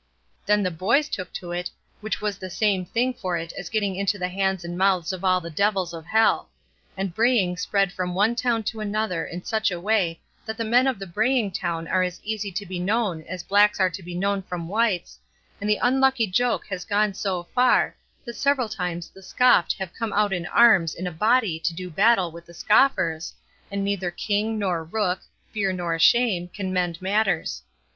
Then the boys took to it, which was the same thing for it as getting into the hands and mouths of all the devils of hell; and braying spread from one town to another in such a way that the men of the braying town are as easy to be known as blacks are to be known from whites, and the unlucky joke has gone so far that several times the scoffed have come out in arms and in a body to do battle with the scoffers, and neither king nor rook, fear nor shame, can mend matters.